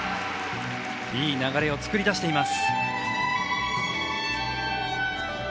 いい流れを作り出しています。